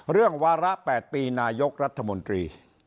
เรื่องวาระ๘ปีนายกรัฐมนตรี